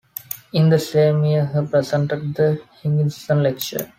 In the same year he presented the Higginson Lecture.